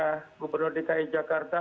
kepala daerah gubernur dki jakarta